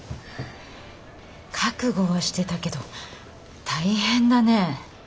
覚悟はしてたけど大変だね。